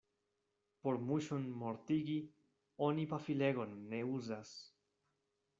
Por muŝon mortigi, oni pafilegon ne uzas.